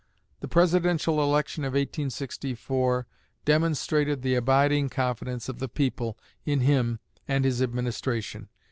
The Presidential election of 1864 demonstrated the abiding confidence of the people in him and his administration.